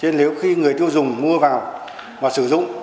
nên nếu khi người tiêu dùng mua vào và sử dụng